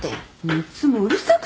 いつもうるさくて。